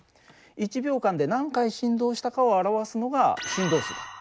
１秒間で何回振動したかを表すのが振動数だ。